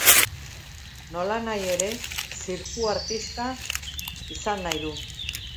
Nolanahi ere, zirku-artista izan nahi du.